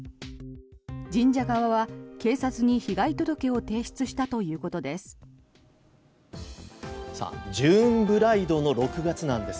神社側は、警察に被害届を提出したということです。